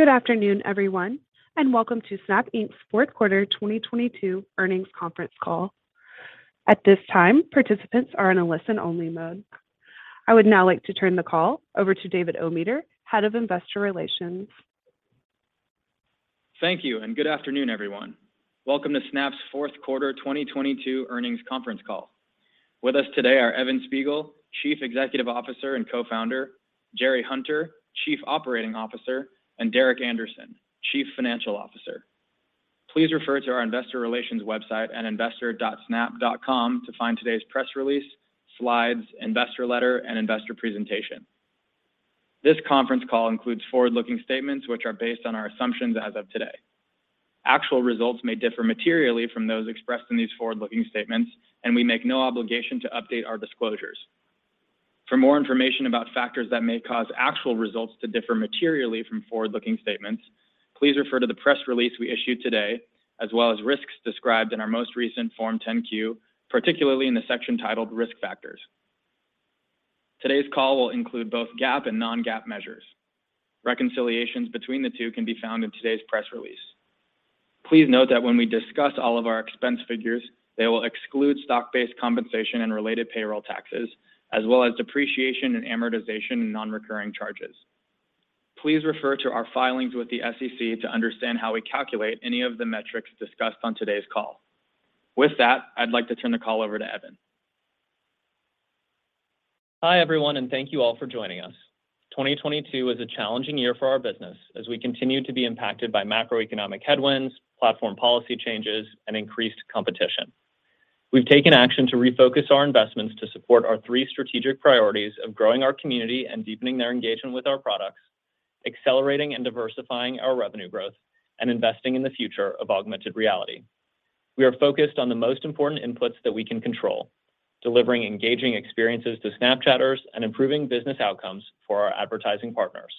Good afternoon, everyone, and welcome to Snap Inc.'s fourth quarter 2022 earnings conference call. At this time, participants are in a listen-only mode. I would now like to turn the call over to David Ometer, Head of Investor Relations. Thank you. Good afternoon, everyone. Welcome to Snap's fourth quarter 2022 earnings conference call. With us today are Evan Spiegel, Chief Executive Officer and Co-founder, Jerry Hunter, Chief Operating Officer, and Derek Andersen, Chief Financial Officer. Please refer to our investor relations website at investor.snap.com to find today's press release, slides, investor letter, and investor presentation. This conference call includes forward-looking statements which are based on our assumptions as of today. Actual results may differ materially from those expressed in these forward-looking statements, and we make no obligation to update our disclosures. For more information about factors that may cause actual results to differ materially from forward-looking statements, please refer to the press release we issued today, as well as risks described in our most recent Form 10-Q, particularly in the section titled Risk Factors. Today's call will include both GAAP and non-GAAP measures. Reconciliations between the two can be found in today's press release. Please note that when we discuss all of our expense figures, they will exclude stock-based compensation and related payroll taxes, as well as depreciation and amortization in non-recurring charges. Please refer to our filings with the SEC to understand how we calculate any of the metrics discussed on today's call. With that, I'd like to turn the call over to Evan. Hi, everyone. Thank you all for joining us. 2022 was a challenging year for our business as we continued to be impacted by macroeconomic headwinds, platform policy changes, and increased competition. We've taken action to refocus our investments to support our three strategic priorities of growing our community and deepening their engagement with our products, accelerating and diversifying our revenue growth, and investing in the future of augmented reality. We are focused on the most important inputs that we can control, delivering engaging experiences to Snapchatters and improving business outcomes for our advertising partners.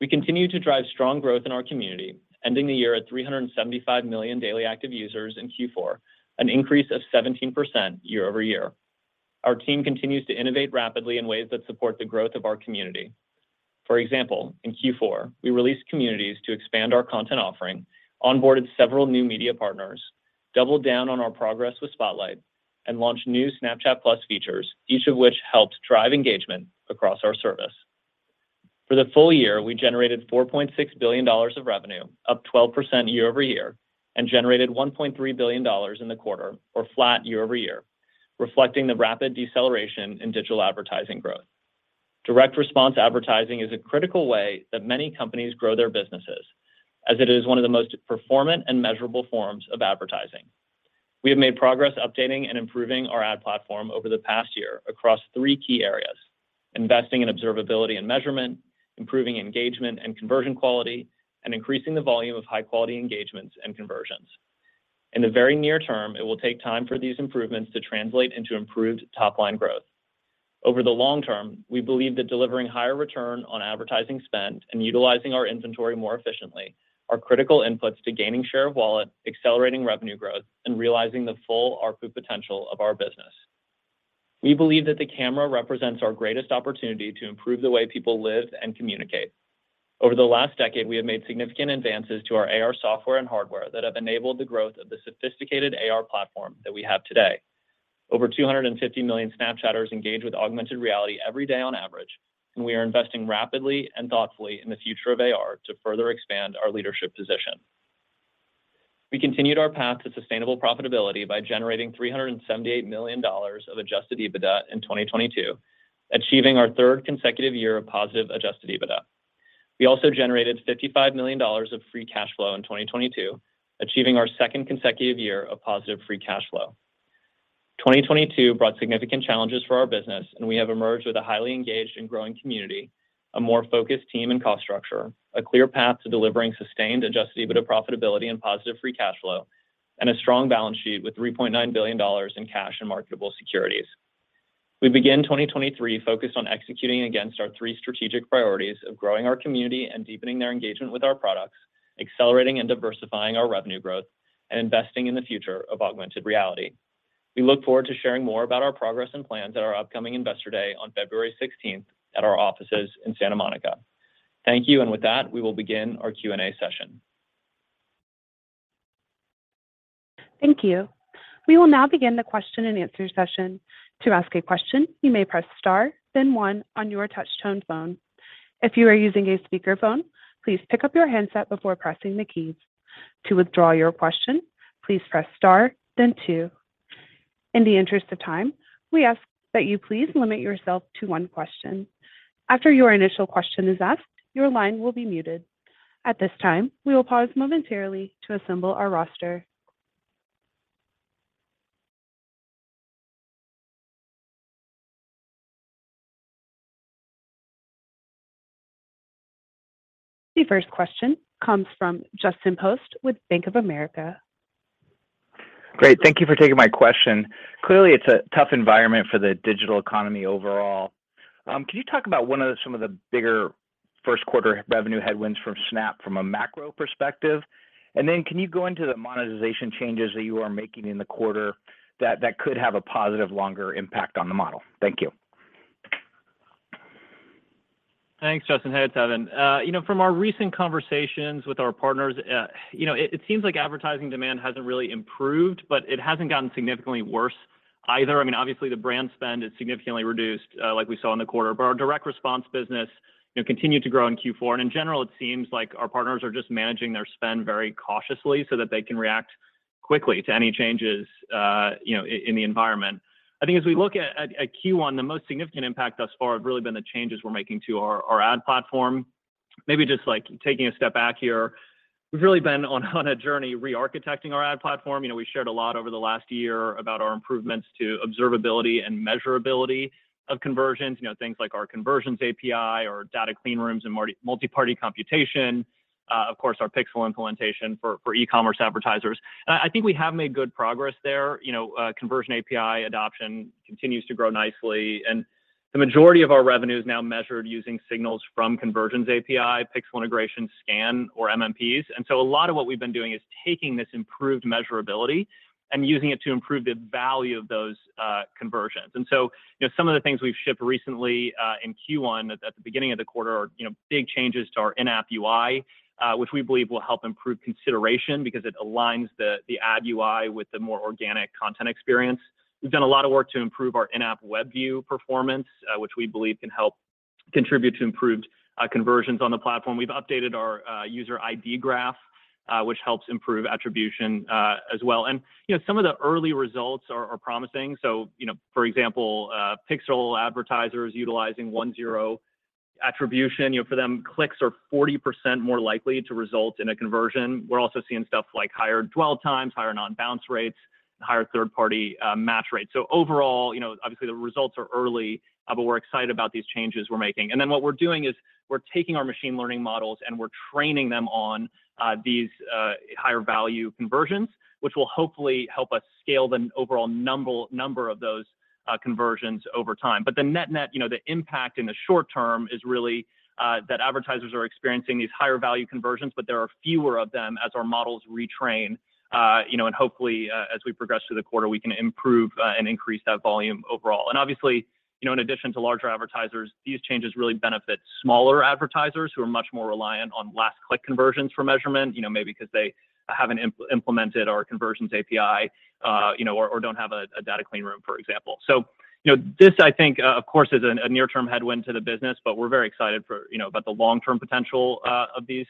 We continue to drive strong growth in our community, ending the year at 375 million daily active users in Q4, an increase of 17% year-over-year. Our team continues to innovate rapidly in ways that support the growth of our community. For example, in Q4, we released Communities to expand our content offering, onboarded several new media partners, doubled down on our progress with Spotlight, and launched new Snapchat+ features, each of which helped drive engagement across our service. For the full year, we generated $4.6 billion of revenue, up 12% year-over-year, and generated $1.3 billion in the quarter, or flat year-over-year, reflecting the rapid deceleration in digital advertising growth. Direct response advertising is a critical way that many companies grow their businesses, as it is one of the most performant and measurable forms of advertising. We have made progress updating and improving our ad platform over the past year across three key areas: investing in observability and measurement, improving engagement and conversion quality, and increasing the volume of high-quality engagements and conversions. In the very near term, it will take time for these improvements to translate into improved top-line growth. Over the long term, we believe that delivering higher return on advertising spend and utilizing our inventory more efficiently are critical inputs to gaining share of wallet, accelerating revenue growth, and realizing the full ARPU potential of our business. We believe that the camera represents our greatest opportunity to improve the way people live and communicate. Over the last decade, we have made significant advances to our AR software and hardware that have enabled the growth of the sophisticated AR platform that we have today. Over 250 million Snapchatters engage with augmented reality every day on average, and we are investing rapidly and thoughtfully in the future of AR to further expand our leadership position. We continued our path to sustainable profitability by generating $378 million of Adjusted EBITDA in 2022, achieving our third consecutive year of positive Adjusted EBITDA. We also generated $55 million of free cash flow in 2022, achieving our second consecutive year of positive free cash flow. 2022 brought significant challenges for our business, and we have emerged with a highly engaged and growing community, a more focused team and cost structure, a clear path to delivering sustained Adjusted EBITDA profitability and positive free cash flow, and a strong balance sheet with $3.9 billion in cash and marketable securities. We begin 2023 focused on executing against our three strategic priorities of growing our community and deepening their engagement with our products, accelerating and diversifying our revenue growth, and investing in the future of augmented reality. We look forward to sharing more about our progress and plans at our upcoming Investor Day on February 16th at our offices in Santa Monica. Thank you. With that, we will begin our Q&A session. Thank you. We will now begin the question and answer session. To ask a question, you may press star then one on your touch tone phone. If you are using a speakerphone, please pick up your handset before pressing the keys. To withdraw your question, please press star then two. In the interest of time, we ask that you please limit yourself to one question. After your initial question is asked, your line will be muted. At this time, we will pause momentarily to assemble our roster. The first question comes from Justin Post with Bank of America. Great. Thank you for taking my question. Clearly, it's a tough environment for the digital economy overall. Can you talk about some of the bigger first quarter revenue headwinds from Snap from a macro perspective? Can you go into the monetization changes that you are making in the quarter that could have a positive longer impact on the model? Thank you. Thanks, Justin. Hey, it's Evan. you know, from our recent conversations with our partners, you know, it seems like advertising demand hasn't really improved, but it hasn't gotten significantly worse either. I mean, obviously, the brand spend is significantly reduced, like we saw in the quarter. Our direct response business, you know, continued to grow in Q4. In general, it seems like our partners are just managing their spend very cautiously so that they can react quickly to any changes, you know, in the environment. I think as we look at Q1, the most significant impact thus far have really been the changes we're making to our ad platform. Maybe just, like, taking a step back here, we've really been on a journey rearchitecting our ad platform. You know, we shared a lot over the last year about our improvements to observability and measurability of conversions. You know, things like our Conversions API, our Data Clean Rooms and multiparty computation, of course, our Pixel implementation for e-commerce advertisers. I think we have made good progress there. You know, Conversions API adoption continues to grow nicely, and the majority of our revenue is now measured using signals from Conversions API, Pixel integration scan, or MMPs. A lot of what we've been doing is taking this improved measurability and using it to improve the value of those conversions. You know, some of the things we've shipped recently in Q1 at the beginning of the quarter are, you know, big changes to our in-app UI, which we believe will help improve consideration because it aligns the ad UI with the more organic content experience. We've done a lot of work to improve our in-app WebView performance, which we believe can help contribute to improved conversions on the platform. We've updated our user ID graph, which helps improve attribution as well. You know, some of the early results are promising. You know, for example, pixel advertisers utilizing one-zero attribution. You know, for them, clicks are 40% more likely to result in a conversion. We're also seeing stuff like higher dwell times, higher non-bounce rates, and higher third-party match rates. Overall, you know, obviously, the results are early, but we're excited about these changes we're making. What we're doing is we're taking our machine learning models, and we're training them on these higher value conversions, which will hopefully help us scale the overall number of those conversions over time. The net-net, you know, the impact in the short term is really that advertisers are experiencing these higher value conversions, but there are fewer of them as our models retrain. You know, and hopefully, as we progress through the quarter, we can improve and increase that volume overall. Obviously, you know, in addition to larger advertisers, these changes really benefit smaller advertisers who are much more reliant on last click conversions for measurement. You know, maybe 'cause they haven't implemented our Conversions API, you know, or don't have a Data Clean Room, for example. You know, this, I think, of course, is a near-term headwind to the business, but we're very excited for, you know, about the long-term potential of these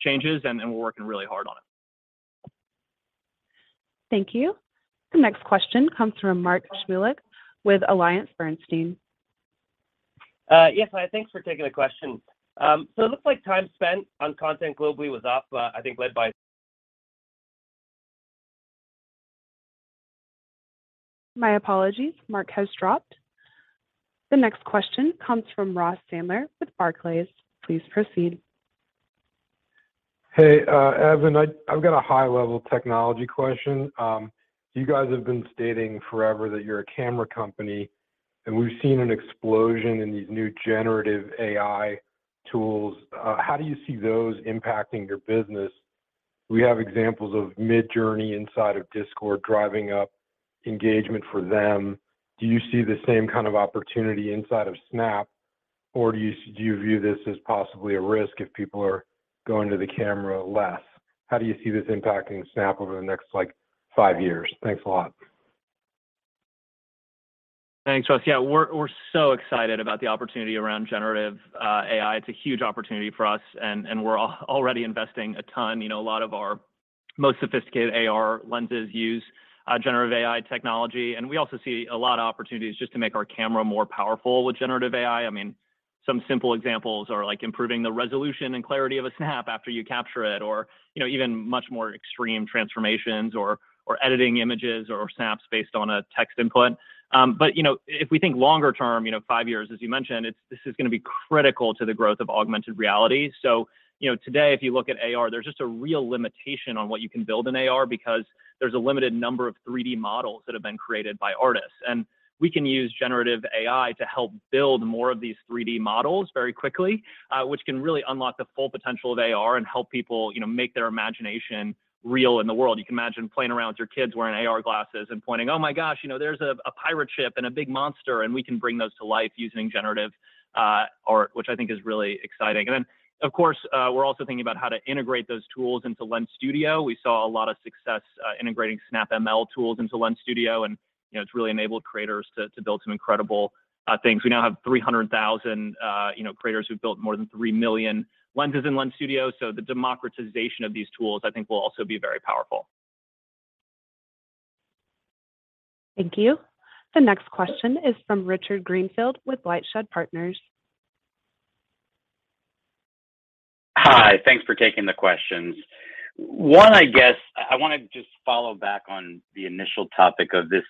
changes, and we're working really hard on it. Thank you. The next question comes from Mark Shmulik with AllianceBernstein. Yes. Hi, thanks for taking the question. It looks like time spent on content globally was up, I think. My apologies. Mark has dropped. The next question comes from Ross Sandler with Barclays. Please proceed. Hey, Evan, I've got a high-level technology question. You guys have been stating forever that you're a camera company. We've seen an explosion in these new generative AI tools. How do you see those impacting your business? We have examples of Midjourney inside of Discord driving up engagement for them. Do you see the same kind of opportunity inside of Snap, or do you view this as possibly a risk if people are going to the camera less? How do you see this impacting Snap over the next, like, five years? Thanks a lot. Thanks, Ross. Yeah. We're so excited about the opportunity around generative AI. It's a huge opportunity for us, and we're already investing a ton. You know, a lot of our most sophisticated AR lenses use generative AI technology, and we also see a lot of opportunities just to make our camera more powerful with generative AI. I mean, some simple examples are, like, improving the resolution and clarity of a Snap after you capture it or, you know, even much more extreme transformations or editing images or Snaps based on a text input. You know, if we think longer term, you know, five years, as you mentioned, this is gonna be critical to the growth of augmented reality. You know, today, if you look at AR, there's just a real limitation on what you can build in AR because there's a limited number of three-D models that have been created by artists. We can use generative AI to help build more of these three-D models very quickly, which can really unlock the full potential of AR and help people, you know, make their imagination real in the world. You can imagine playing around with your kids wearing AR glasses and pointing, "Oh my gosh, you know, there's a pirate ship and a big monster," and we can bring those to life using generative art, which I think is really exciting. Then, of course, we're also thinking about how to integrate those tools into Lens Studio. We saw a lot of success, integrating SnapML tools into Lens Studio and, you know, it's really enabled creators to build some incredible things. We now have 300,000, you know, creators who've built more than 3 million Lenses in Lens Studio. The democratization of these tools, I think, will also be very powerful. Thank you. The next question is from Richard Greenfield with LightShed Partners. Hi. Thanks for taking the questions. One, I guess I wanna just follow back on the initial topic of this.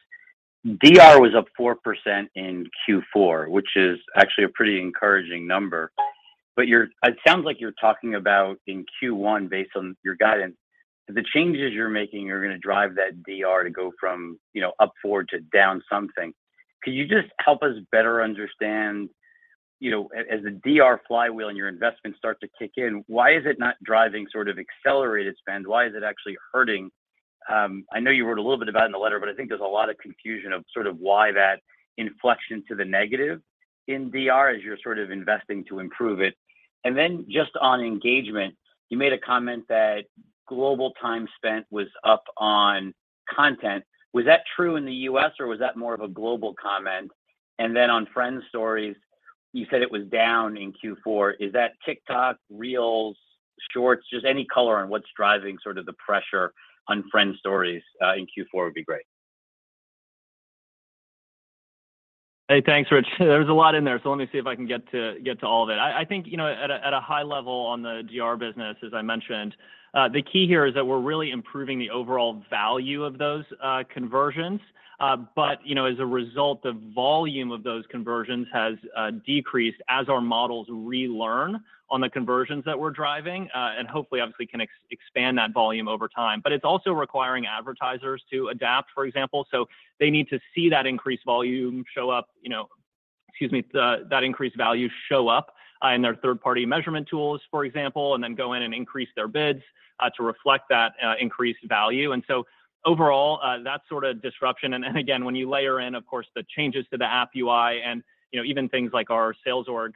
DR was up 4% in Q4, which is actually a pretty encouraging number. It sounds like you're talking about in Q1, based on your guidance, the changes you're making are gonna drive that DR to go from, you know, up four to down something. Could you just help us better understand? You know, as a DR flywheel and your investments start to kick in, why is it not driving sort of accelerated spend? Why is it actually hurting? I know you wrote a little bit about it in the letter, but I think there's a lot of confusion of sort of why that inflection to the negative in DR as you're sort of investing to improve it. Just on engagement, you made a comment that global time spent was up on content. Was that true in the U.S. or was that more of a global comment? On Friend Stories, you said it was down in Q4. Is that TikTok, Reels, Shorts? Just any color on what's driving sort of the pressure on Friend Stories in Q4 would be great. Thanks, Rich. There was a lot in there. Let me see if I can get to all of it. I think, you know, at a high level on the DR business, as I mentioned, the key here is that we're really improving the overall value of those conversions. You know, as a result, the volume of those conversions has decreased as our models relearn on the conversions that we're driving, and hopefully obviously can expand that volume over time. It's also requiring advertisers to adapt, for example. They need to see that increased volume show up, you know. Excuse me. That increased value show up in their third-party measurement tools, for example, and then go in and increase their bids to reflect that increased value. Overall, that sort of disruption and, again, when you layer in, of course, the changes to the app UI and, you know, even things like our sales org,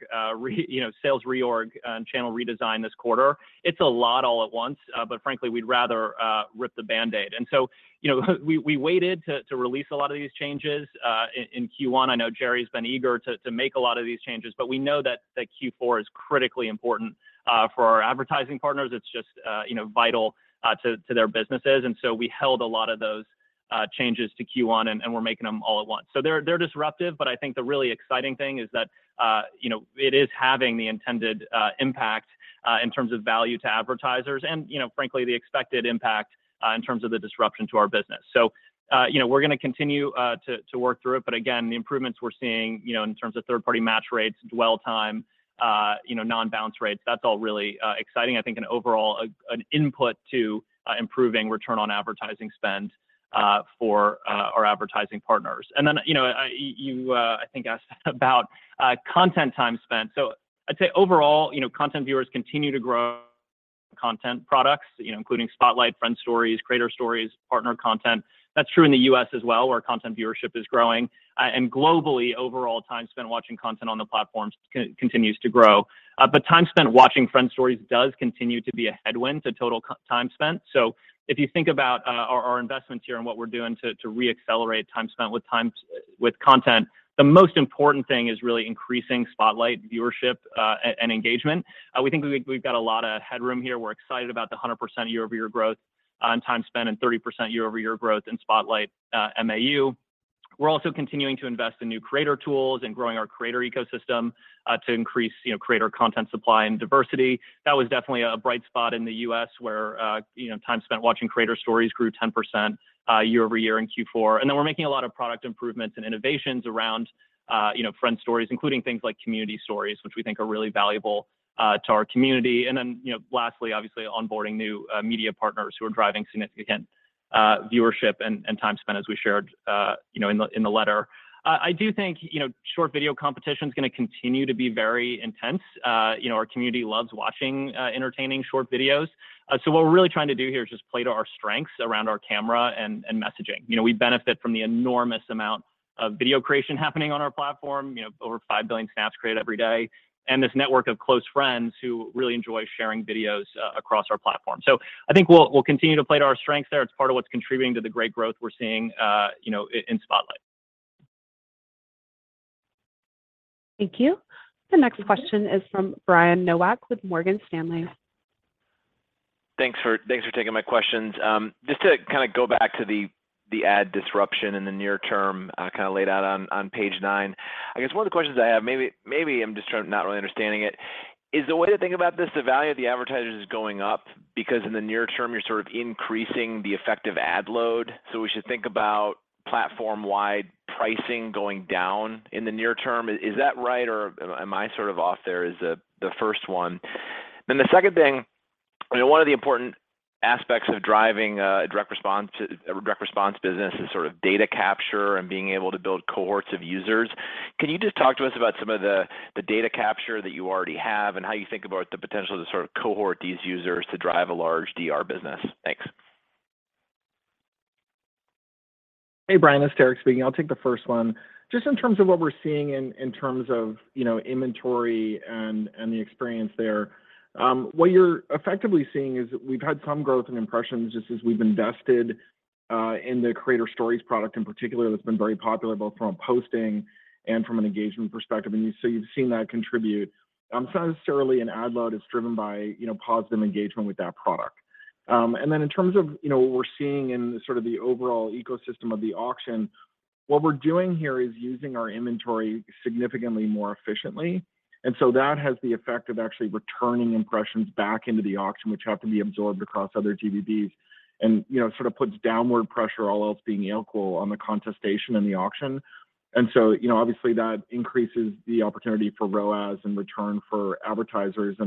sales reorg, channel redesign this quarter, it's a lot all at once. Frankly, we'd rather rip the Band-Aid. You know, we waited to release a lot of these changes in Q1. I know Jerry's been eager to make a lot of these changes, but we know that Q4 is critically important for our advertising partners. It's just, you know, vital to their businesses, and so we held a lot of those changes to Q1 and, we're making them all at once. They're, they're disruptive, but I think the really exciting thing is that, you know, it is having the intended impact in terms of value to advertisers and, you know, frankly, the expected impact in terms of the disruption to our business. You know, we're gonna continue to work through it. Again, the improvements we're seeing, you know, in terms of third-party match rates, dwell time, you know, non-bounce rates, that's all really exciting. I think an overall an input to improving return on advertising spend for our advertising partners. Then, you know, you, I think asked about content time spent. I'd say overall, you know, content viewers continue to grow content products, you know, including Spotlight, Friend Stories, Creator Stories, Partner Content. That's true in the U.S. as well, where content viewership is growing. Globally, overall time spent watching content on the platforms continues to grow. Time spent watching Friend Stories does continue to be a headwind to total time spent. If you think about our investments here and what we're doing to reaccelerate time spent with content, the most important thing is really increasing Spotlight viewership and engagement. We think we've got a lot of headroom here. We're excited about the 100% year-over-year growth on time spent and 30% year-over-year growth in Spotlight MAU. We're also continuing to invest in new creator tools and growing our creator ecosystem to increase, you know, creator content supply and diversity. That was definitely a bright spot in the U.S. where, you know, time spent watching Creator Stories grew 10% year-over-year in Q4. We're making a lot of product improvements and innovations around, you know, Friend Stories, including things like Community Stories, which we think are really valuable to our community. Lastly, you know, obviously onboarding new media partners who are driving significant viewership and time spend as we shared, you know, in the letter. I do think, you know, short video competition is gonna continue to be very intense. You know, our community loves watching entertaining short videos. What we're really trying to do here is just play to our strengths around our camera and messaging. You know, we benefit from the enormous amount of video creation happening on our platform, you know, over 5 billion snaps created every day, and this network of close friends who really enjoy sharing videos across our platform. I think we'll continue to play to our strengths there. It's part of what's contributing to the great growth we're seeing, you know, in Spotlight. Thank you. The next question is from Brian Nowak with Morgan Stanley. Thanks for taking my questions. Just to kind of go back to the ad disruption in the near term, kind of laid out on page nine. I guess one of the questions I have, maybe I'm just not really understanding it. Is the way to think about this, the value of the advertisers is going up because in the near term, you're sort of increasing the effective ad load? We should think about platform-wide pricing going down in the near term. Is that right, or am I sort of off there is the first one. The second thing, you know, one of the important aspects of driving a direct response business is sort of data capture and being able to build cohorts of users. Can you just talk to us about some of the data capture that you already have and how you think about the potential to sort of cohort these users to drive a large DR business? Thanks. Hey, Brian, it's Derek Andersen speaking. I'll take the first one. Just in terms of what we're seeing in terms of, you know, inventory and the experience there. What you're effectively seeing is we've had some growth in impressions just as we've invested in the Creator Stories product in particular. That's been very popular, both from a posting and from an engagement perspective. You've seen that contribute. It's not necessarily an ad load. It's driven by, you know, positive engagement with that product. In terms of, you know, what we're seeing in sort of the overall ecosystem of the auction, what we're doing here is using our inventory significantly more efficiently. That has the effect of actually returning impressions back into the auction, which happen to be absorbed across other GDBs and, you know, sort of puts downward pressure, all else being equal, on the contestation in the auction. You know, obviously that increases the opportunity for ROAS and return for advertisers.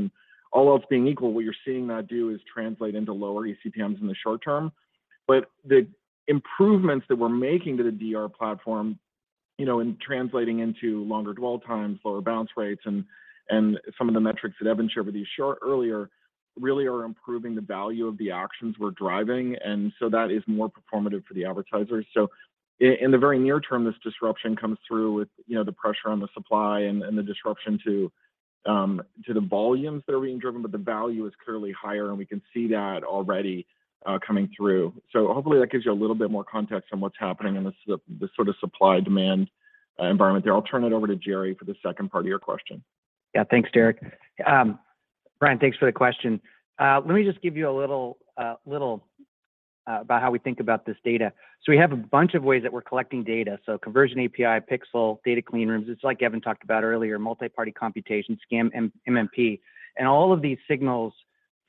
All else being equal, what you're seeing that do is translate into lower eCPMs in the short term. The improvements that we're making to the DR platform, you know, in translating into longer dwell times, lower bounce rates, and some of the metrics that Evan shared with you earlier really are improving the value of the actions we're driving. That is more performative for the advertisers. In the very near term, this disruption comes through with, you know, the pressure on the supply and the disruption to the volumes that are being driven. The value is clearly higher, and we can see that already coming through. Hopefully that gives you a little bit more context on what's happening in the sort of supply-demand environment there. I'll turn it over to Jerry for the second part of your question. Thanks, Derek. Brian, thanks for the question. Let me just give you a little about how we think about this data. We have a bunch of ways that we're collecting data. Conversions API, Snap Pixel, Data Clean Rooms. It's like Evan talked about earlier, multiparty computation, SKAN, MMPs. All of these signals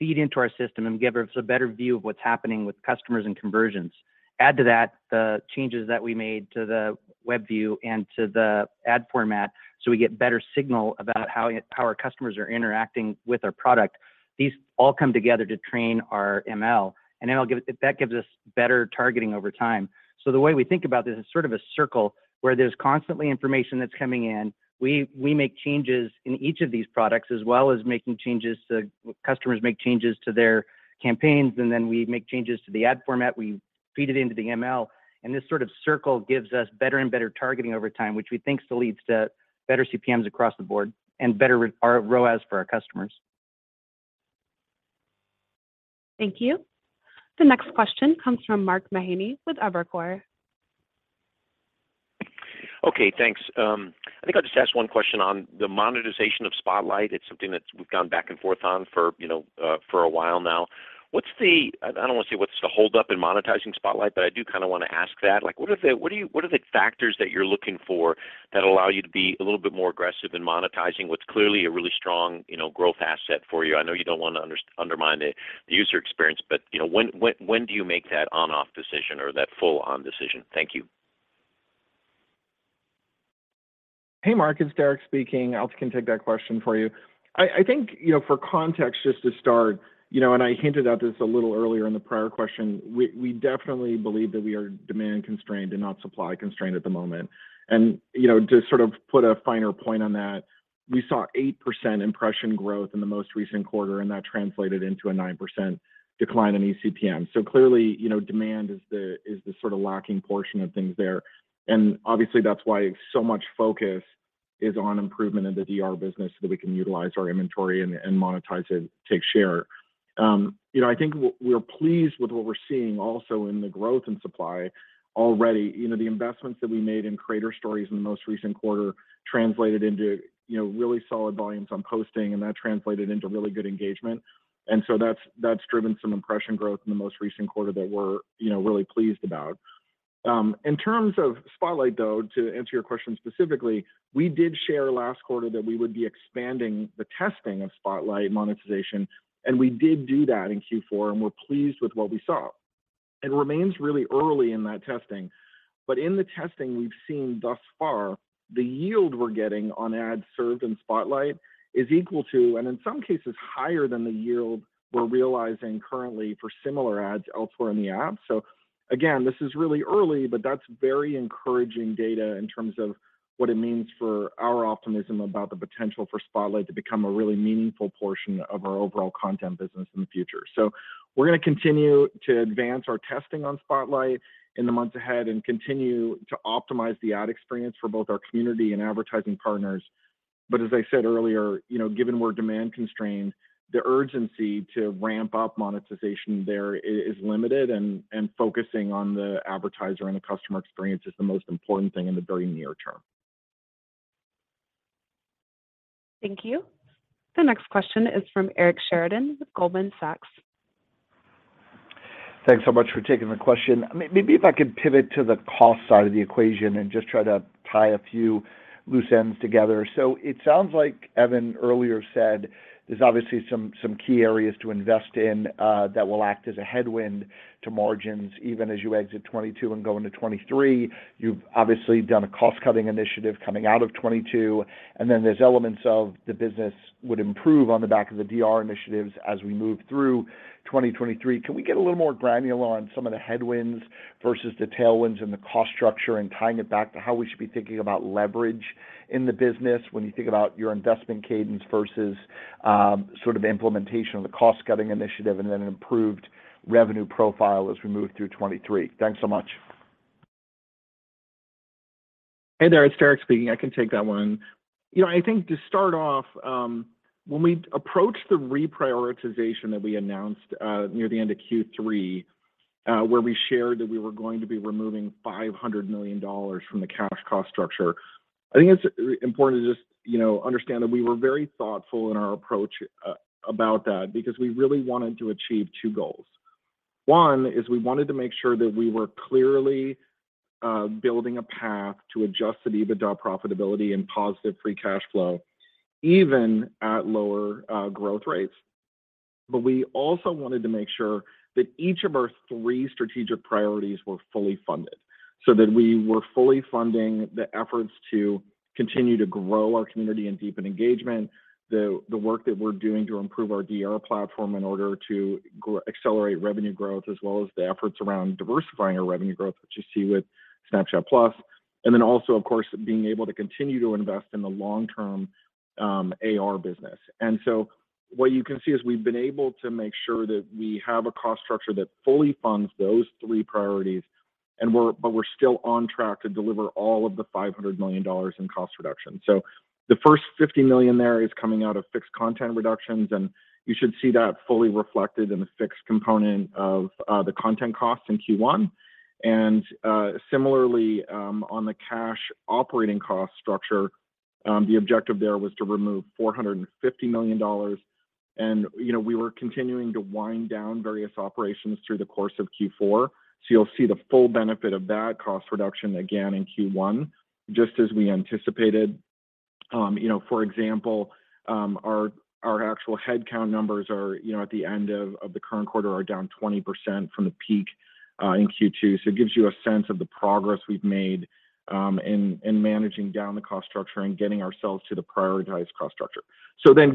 feed into our system and give us a better view of what's happening with customers and conversions. Add to that the changes that we made to the WebView and to the ad format so we get better signal about how our customers are interacting with our product. These all come together to train our ML, and that gives us better targeting over time. The way we think about this is sort of a circle where there's constantly information that's coming in. We make changes in each of these products as well as making changes to customers make changes to their campaigns, and then we make changes to the ad format. We feed it into the ML, and this sort of circle gives us better and better targeting over time, which we think still leads to better CPMs across the board and better our ROAS for our customers. Thank you. The next question comes from Mark Mahaney with Evercore. Okay, thanks. I think I'll just ask one question on the monetization of Spotlight. It's something that's we've gone back and forth on for, you know, for a while now. I don't wanna say what's the hold up in monetizing Spotlight, but I do kinda wanna ask that. What are the factors that you're looking for that allow you to be a little bit more aggressive in monetizing what's clearly a really strong, you know, growth asset for you? I know you don't wanna undermine the user experience, but, you know, when do you make that on/off decision or that full on decision? Thank you. Hey, Mark, it's Derek speaking. can take that question for you. I think, you know, for context, just to start, you know, I hinted at this a little earlier in the prior question, we definitely believe that we are demand constrained and not supply constrained at the moment. You know, to sort of put a finer point on that, we saw 8% impression growth in the most recent quarter, and that translated into a 9% decline in eCPM. Clearly, you know, demand is the sort of lacking portion of things there. Obviously, that's why so much focus is on improvement in the DR business so that we can utilize our inventory and monetize it to take share. you know, I think we're pleased with what we're seeing also in the growth and supply already. You know, the investments that we made in Creator Stories in the most recent quarter translated into, you know, really solid volumes on posting, and that translated into really good engagement. That's, that's driven some impression growth in the most recent quarter that we're, you know, really pleased about. In terms of Spotlight, though, to answer your question specifically, we did share last quarter that we would be expanding the testing of Spotlight monetization, and we did do that in Q4, and we're pleased with what we saw. It remains really early in that testing, but in the testing we've seen thus far, the yield we're getting on ads served in Spotlight is equal to, and in some cases higher than the yield we're realizing currently for similar ads elsewhere in the app. Again, this is really early, but that's very encouraging data in terms of what it means for our optimism about the potential for Spotlight to become a really meaningful portion of our overall content business in the future. We're gonna continue to advance our testing on Spotlight in the months ahead and continue to optimize the ad experience for both our community and advertising partners. As I said earlier, you know, given we're demand constrained, the urgency to ramp up monetization there is limited, and focusing on the advertiser and the customer experience is the most important thing in the very near term. Thank you. The next question is from Eric Sheridan with Goldman Sachs. Thanks so much for taking the question. maybe if I could pivot to the cost side of the equation and just try to tie a few loose ends together. It sounds like Evan earlier said there's obviously some key areas to invest in that will act as a headwind to margins even as you exit 2022 and go into 2023. You've obviously done a cost-cutting initiative coming out of 2022, and then there's elements of the business would improve on the back of the DR initiatives as we move through 2023. Can we get a little more granular on some of the headwinds versus the tailwinds and the cost structure and tying it back to how we should be thinking about leverage in the business when you think about your investment cadence versus sort of implementation of the cost-cutting initiative and then an improved revenue profile as we move through 2023? Thanks so much. Hey there. It's Derek speaking. I can take that one. You know, I think to start off, when we approached the reprioritization that we announced near the end of Q3, where we shared that we were going to be removing $500 million from the cash cost structure, I think it's important to just, you know, understand that we were very thoughtful in our approach about that because we really wanted to achieve two goals. One is we wanted to make sure that we were clearly building a path to Adjusted EBITDA profitability and positive free cash flow even at lower growth rates. We also wanted to make sure that each of our three strategic priorities were fully funded. So that we were fully funding the efforts to continue to grow our community and deepen engagement, the work that we're doing to improve our DR platform in order to accelerate revenue growth, as well as the efforts around diversifying our revenue growth that you see with Snapchat+. Also, of course, being able to continue to invest in the long-term AR business. What you can see is we've been able to make sure that we have a cost structure that fully funds those three priorities, and we're still on track to deliver all of the $500 million in cost reduction. The first $50 million there is coming out of fixed content reductions, and you should see that fully reflected in the fixed component of the content costs in Q1. Similarly, on the cash operating cost structure, the objective there was to remove $450 million, and, you know, we were continuing to wind down various operations through the course of Q4. You'll see the full benefit of that cost reduction again in Q1, just as we anticipated. You know, for example, our actual headcount numbers are, you know, at the end of the current quarter are down 20% from the peak in Q2. It gives you a sense of the progress we've made in managing down the cost structure and getting ourselves to the prioritized cost structure.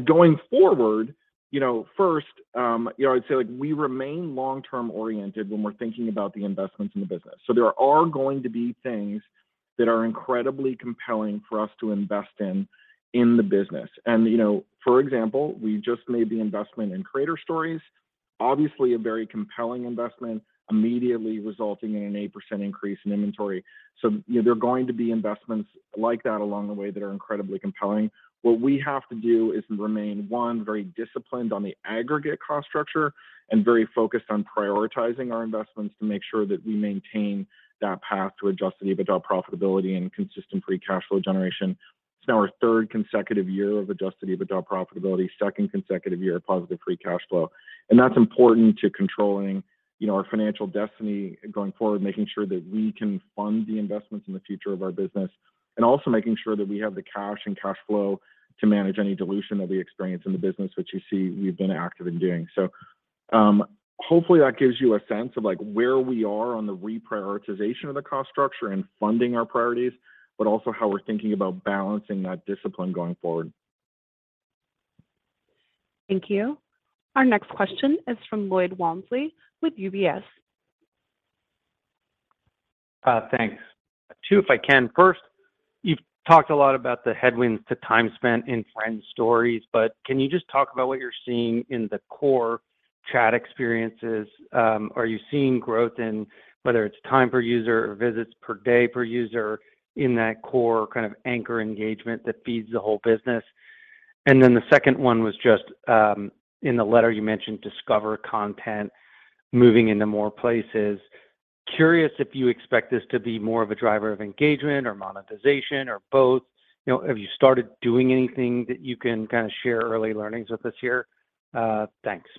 Going forward, you know, first, you know, I'd say, like, we remain long-term oriented when we're thinking about the investments in the business. There are going to be things that are incredibly compelling for us to invest in in the business. You know, for example, we just made the investment in Creator Stories. Obviously, a very compelling investment immediately resulting in an 8% increase in inventory. You know, there are going to be investments like that along the way that are incredibly compelling. What we have to do is remain, one, very disciplined on the aggregate cost structure and very focused on prioritizing our investments to make sure that we maintain that path to Adjusted EBITDA profitability and consistent free cash flow generation. It's now our third consecutive year of Adjusted EBITDA profitability, second consecutive year of positive free cash flow. That's important to controlling, you know, our financial destiny going forward, making sure that we can fund the investments in the future of our business, and also making sure that we have the cash and cash flow to manage any dilution that we experience in the business, which you see we've been active in doing. Hopefully that gives you a sense of, like, where we are on the reprioritization of the cost structure and funding our priorities, but also how we're thinking about balancing that discipline going forward. Thank you. Our next question is from Lloyd Walmsley with UBS. Thanks. Two, if I can. First, you've talked a lot about the headwinds to time spent in Friend Stories. Can you just talk about what you're seeing in the core chat experiences? Are you seeing growth in whether it's time per user or visits per day per user in that core kind of anchor engagement that feeds the whole business? The second one was just, in the letter you mentioned Discover content moving into more places. Curious if you expect this to be more of a driver of engagement or monetization or both. You know, have you started doing anything that you can kind of share early learnings with us here? Thanks.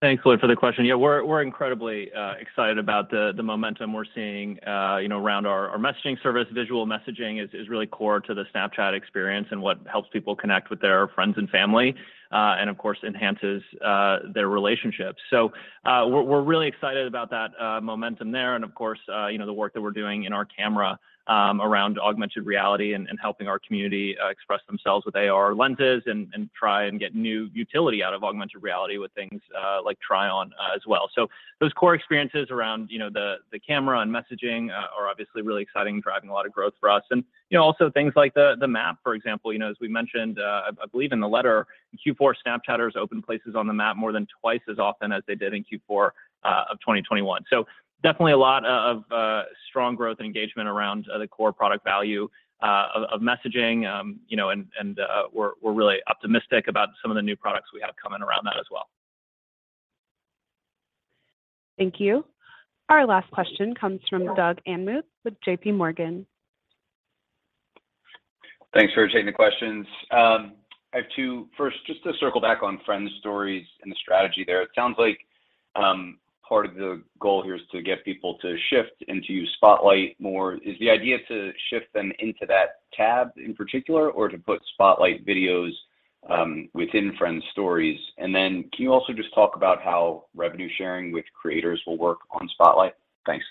Thanks, Lloyd, for the question. Yeah, we're incredibly excited about the momentum we're seeing, you know, around our messaging service. Visual messaging is really core to the Snapchat experience and what helps people connect with their friends and family, and of course enhances their relationships. We're really excited about that momentum there and of course, you know, the work that we're doing in our camera, around augmented reality and helping our community express themselves with AR Lenses and try and get new utility out of augmented reality with things like Try On as well. Those core experiences around, you know, the camera and messaging are obviously really exciting and driving a lot of growth for us. You know, also things like the Map, for example. You know, as we mentioned, I believe in the letter, in Q4, Snapchatters opened places on the Map more than twice as often as they did in Q4 2021. Definitely a lot of strong growth and engagement around the core product value of messaging. You know, and we're really optimistic about some of the new products we have coming around that as well. Thank you. Our last question comes from Doug Anmuth with JPMorgan. Thanks for taking the questions. I have two. First, just to circle back on Friend Stories and the strategy there. It sounds like, part of the goal here is to get people to shift and to use Spotlight more. Is the idea to shift them into that tab in particular, or to put Spotlight videos within Friend Stories? Can you also just talk about how revenue sharing with creators will work on Spotlight? Thanks.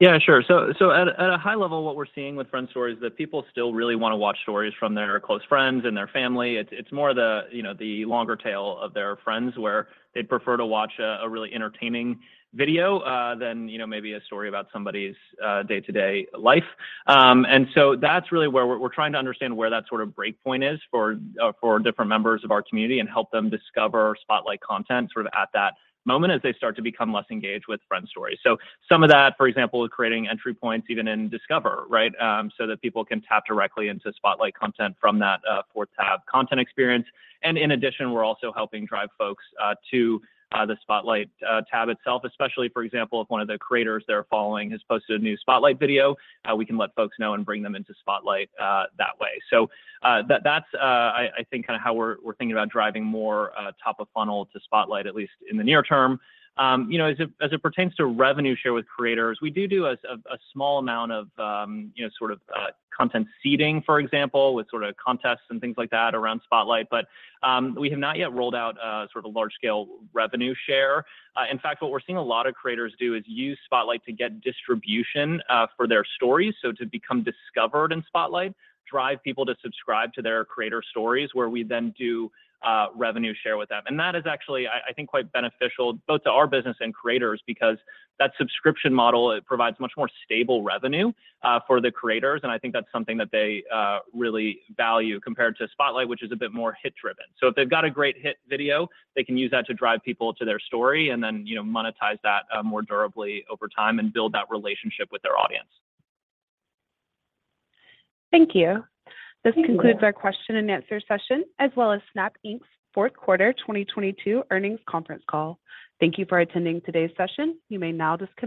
Yeah, sure. At a high level, what we're seeing with Friend Stories is that people still really wanna watch stories from their close friends and their family. It's more the, you know, the longer tail of their friends where they'd prefer to watch a really entertaining video than, you know, maybe a story about somebody's day-to-day life. That's really where we're trying to understand where that sort of break point is for different members of our community and help them discover Spotlight content sort of at that moment as they start to become less engaged with Friend Stories. Some of that, for example, is creating entry points even in Discover, right? That people can tap directly into Spotlight content from that fourth tab content experience. In addition, we're also helping drive folks to the Spotlight tab itself, especially, for example, if one of the creators they're following has posted a new Spotlight video, we can let folks know and bring them into Spotlight that way. That's, I think kinda how we're thinking about driving more top of funnel to Spotlight, at least in the near term. You know, as it pertains to revenue share with creators, we do a small amount of, you know, sort of content seeding, for example, with sort of contests and things like that around Spotlight. We have not yet rolled out sort of a large scale revenue share. In fact, what we're seeing a lot of creators do is use Spotlight to get distribution for their stories. To become discovered in Spotlight, drive people to subscribe to their Creator Stories where we then do revenue share with them. That is actually, I think, quite beneficial both to our business and creators because that subscription model, it provides much more stable revenue for the creators, and I think that's something that they really value compared to Spotlight, which is a bit more hit-driven. If they've got a great hit video, they can use that to drive people to their story and then, you know, monetize that more durably over time and build that relationship with their audience. Thank you. Thank you. This concludes our question and answer session, as well as Snap Inc.'s fourth quarter 2022 earnings conference call. Thank you for attending today's session. You may now disconnect.